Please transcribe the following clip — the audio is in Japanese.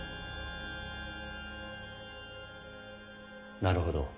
なるほど。